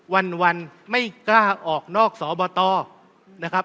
วันไม่กล้าออกนอกสบตนะครับ